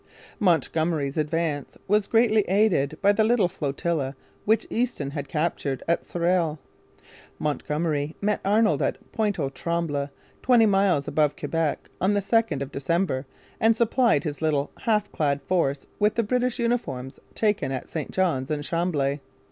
Montgomery's advance was greatly aided by the little flotilla which Easton had captured at Sorel. Montgomery met Arnold at Pointe aux Trembles, twenty miles above Quebec, on the 2nd of December and supplied his little half clad force with the British uniforms taken at St Johns and Chambly.